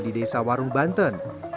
di desa warung banten